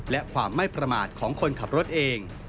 และความไม่ประมาทของคนขับรถเอง